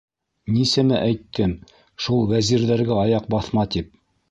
Нисәмә әйттем, шул Вәзирҙәргә аяҡ баҫма, тип.